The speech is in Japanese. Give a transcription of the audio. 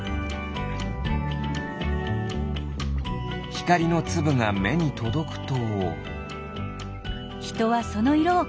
ひかりのつぶがめにとどくと？